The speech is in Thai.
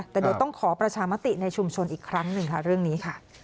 แต่เดี๋ยวต้องขอประชามติในชุมชนอีกครั้งหนึ่งค่ะเรื่องนี้ค่ะ